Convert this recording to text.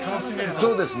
そうですね。